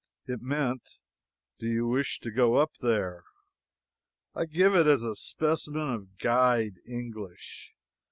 It meant, do you wish to go up there? I give it as a specimen of guide English.